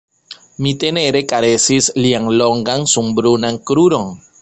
Mi tenere karesis lian longan, sunbrunan kruron.